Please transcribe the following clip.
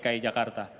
warga dki jakarta